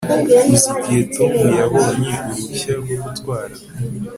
uzi igihe tom yabonye uruhushya rwo gutwara